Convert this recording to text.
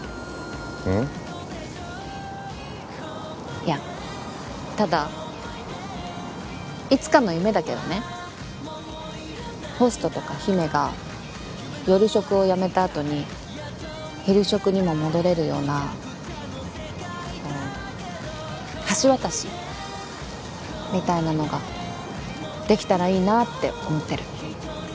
いやただいつかの夢だけどねホストとか姫が夜職を辞めたあとに昼職にも戻れるようなこう橋渡しみたいなのができたらいいなって思ってる。